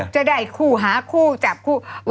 จะได้คู่หาคู่จับคู่